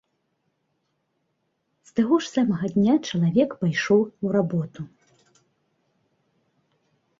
З таго ж самага дня чалавек пайшоў у работу.